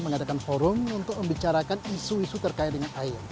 mengadakan forum untuk membicarakan isu isu terkait dengan air